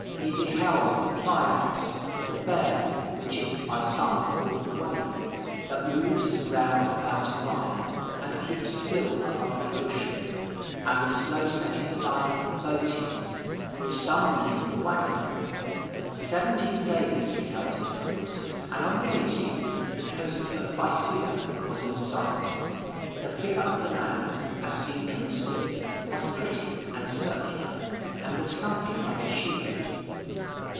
He beheld the Pleiads, the Bear, which is by some called the Wain, that moves round about Orion, and keeps still above the ocean, and the slow setting sign Bootes, which some name the Wagoner. Seventeen days he held his course, and on the eighteenth the coast of Phaeacia was in sight. The figure of the land, as seen from the sea, was pretty and circular, and looked something like a shield.